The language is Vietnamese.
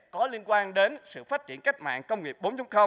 có liên quan đến sự phát triển cách mạng công nghiệp bốn